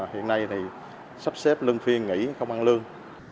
hiện nay thì sắp xếp lưng phiên nghỉ không ăn lương